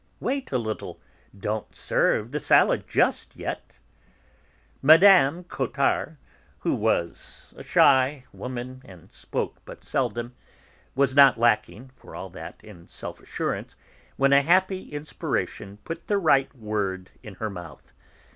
Wait a little; don't serve the salad just yet." Mme. Cottard, who was a shy woman and spoke but seldom, was not lacking, for all that, in self assurance when a happy inspiration put the right word in her mouth.